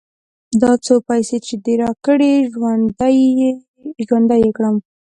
دا څو پيسې چې دې راکړې؛ ژوندی يې کړم.